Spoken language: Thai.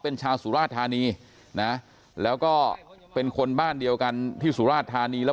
เป็นชาวสุราธานีนะแล้วก็เป็นคนบ้านเดียวกันที่สุราชธานีแล้ว